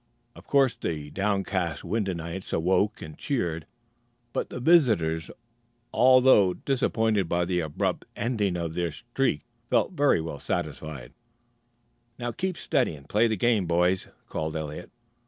Of course the downcast Wyndhamites awoke and cheered, but the visitors, although disappointed by the abrupt ending of their "streak," felt very well satisfied. "Now keep steady and play the game, boys," called Eliot.